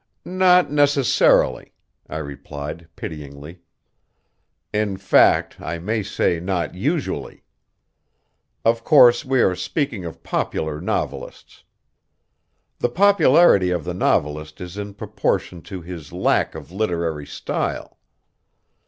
"Not necessarily," I replied pityingly. "In fact I may say not usually. Of course we are speaking of popular novelists. The popularity of the novelist is in proportion to his lack of literary style.